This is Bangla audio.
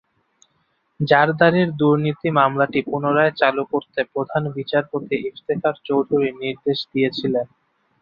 জারদারির দুর্নীতির মামলাটি পুনরায় চালু করতে প্রধান বিচারপতি ইফতিখার চৌধুরী নির্দেশ দিয়েছিলেন।